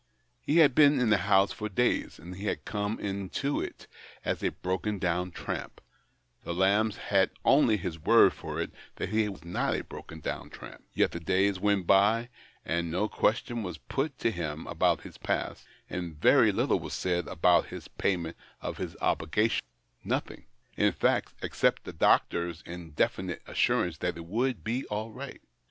He had been in the house for days, and he had come into it as a broken down tramp ; the Lambs had only his word for it that he was not a broken down tramp : yet the days went by, and no question was put to him about his past, and very little was said about his payment of his obligation — nothing, in fact, except the doctor's in definite assurance that it would be all right.